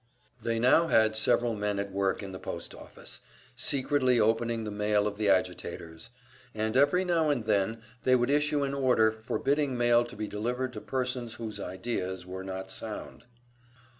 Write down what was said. They now had several men at work in the post office, secretly opening the mail of the agitators; and every now and then they would issue an order forbidding mail to be delivered to persons whose ideas were not sound.